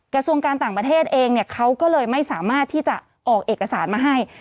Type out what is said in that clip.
กระทรวงการต่างประเทศเองเนี่ยเขาก็เลยไม่สามารถที่จะออกเอกสารมาให้